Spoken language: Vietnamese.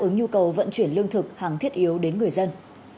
ứng nhu cầu vận chuyển lương thực hàng thiết yếu đến người dân